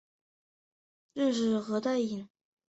救世军组织宣传的使命是要带领人认识基督。